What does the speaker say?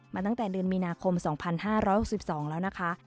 ตั้งแต่เดือนมีนาคม๒๕๖๒แล้วนะคะ